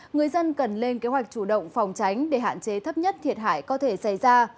người dân cần lên kế hoạch chủ động phòng tránh để hạn chế thấp nhất thiệt hại có thể xảy ra